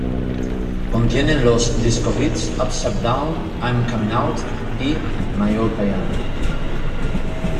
Contiene los disco hits "Upside Down", "I'm coming out" y "My old piano.